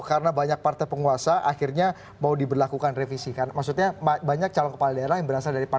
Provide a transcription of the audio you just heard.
atau undang undang pilkada solusinya ada di kpu